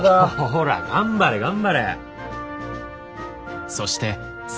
ほら頑張れ頑張れ。